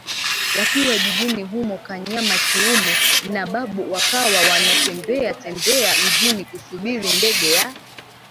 Wakiwa jijini humo Kanyama Chiume na Babu wakawa wanatembea tembea mjini kusubiri ndege ya